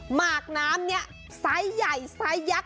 หมากน้ำเนี่ยไซส์ใหญ่ไซส์ยักษ